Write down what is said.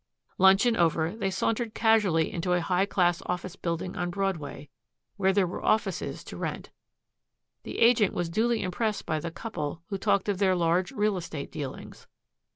Luncheon over, they sauntered casually into a high class office building on Broadway where there were offices to rent. The agent was duly impressed by the couple who talked of their large real estate dealings.